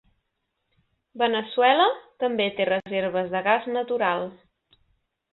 Veneçuela també té reserves de gas natural.